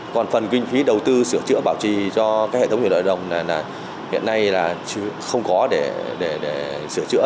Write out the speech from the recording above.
còn phần kinh phí đầu tư sửa chữa bảo trì cho hệ thống thủy lợi đồng hiện nay không có để sửa chữa